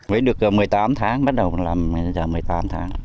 với được một mươi tám tháng bắt đầu là một mươi tám tháng